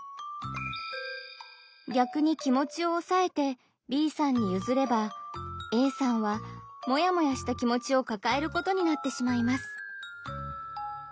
逆に気持ちをおさえてＢさんにゆずればＡさんはモヤモヤした気持ちをかかえることになってしまいます。